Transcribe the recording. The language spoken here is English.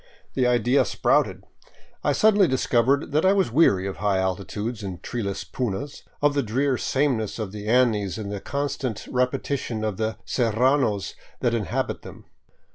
The idea sprouted. I suddenly discovered that I was weary of high altitudes and treeless punas, of the drear sameness of the Andes and the constant repetition of the serranos that inhabit them.